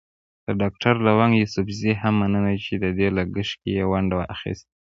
د ډاکټر لونګ يوسفزي هم مننه چې د دې لګښت کې يې ونډه اخيستې.